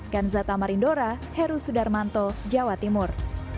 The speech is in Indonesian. kanzata marindora heru sudarmanto jawa timur